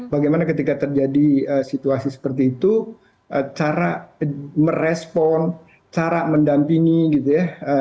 bagaimana ketika terjadi situasi seperti itu cara merespon cara mendampingi gitu ya